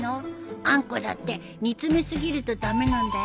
あんこだって煮詰め過ぎると駄目なんだよ。